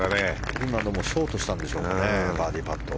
今のもショートしたんでしょうかバーディーパットを。